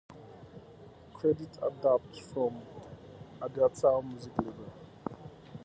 Credits adapted from Aditya Music label